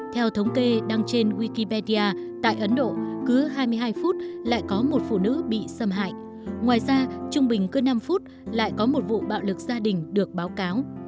theo thống kê đăng trên wikipedia tại ấn độ cứ hai mươi hai phút lại có một phụ nữ bị xâm hại ngoài ra trung bình cứ năm phút lại có một vụ bạo lực gia đình được báo cáo